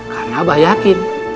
karena abah yakin